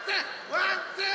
ワンツー！